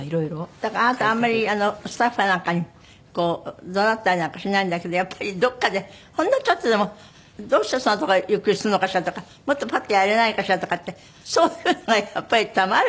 だからあなたはあんまりスタッフかなんかにこう怒鳴ったりなんかしないんだけどやっぱりどこかでほんのちょっとでもどうしてそんなとこでゆっくりするのかしらとかもっとパッてやれないかしらとかってそういうのがやっぱりたまる。